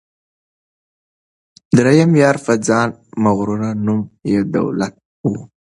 دریم یار په ځان مغرور نوم یې دولت وو